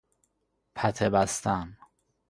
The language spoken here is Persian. پته بستن